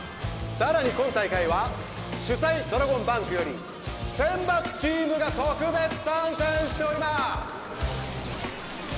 さらに今大会は主催ドラゴンバンクより選抜チームが特別参戦しております